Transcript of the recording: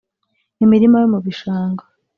imirima yo mubishanga